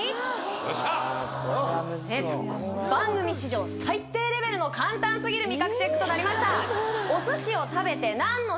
ああーこれはむずそう番組史上最低レベルの簡単すぎる味覚チェックとなりました